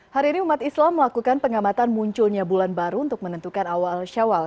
hari ini umat islam melakukan pengamatan munculnya bulan baru untuk menentukan awal syawal